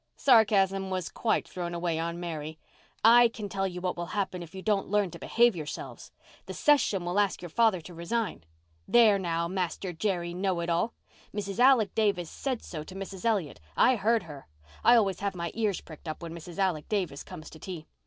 Sarcasm was quite thrown away on Mary. "I can tell you what will happen if you don't learn to behave yourselves. The session will ask your father to resign. There now, Master Jerry know it all. Mrs. Alec Davis said so to Mrs. Elliott. I heard her. I always have my ears pricked up when Mrs. Alec Davis comes to tea.